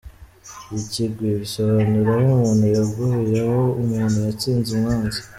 Ikigwi: Bisobanura aho umuntu yaguye, aho umuntu yatsinze umwanzi.